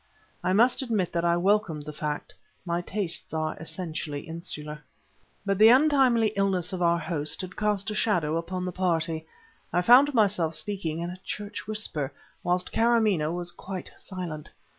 I must admit that I welcomed the fact; my tastes are essentially insular. But the untimely illness of our host had cast a shadow upon the party. I found myself speaking in a church whisper, whilst Kâramaneh was quite silent.